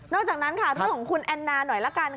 นอกจากนั้นค่ะโทษของคุณแอนนาหน่อยละกันค่ะ